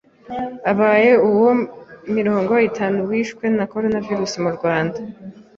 abaye uwa mirongo itanu wishwe na coronavirus mu Rwanda...